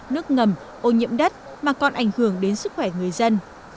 nước ngầm ô nhiễm đất mà còn ảnh hưởng đến sức khỏe người dân